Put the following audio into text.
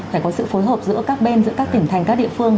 phải có sự phối hợp giữa các bên giữa các tỉnh thành các địa phương